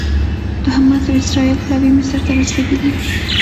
د حماس او اسرائیل پلاوي مصر ته رسېدلي